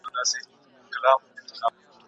که تاسو پر ما باور وکړئ نو زه به بریالی شم.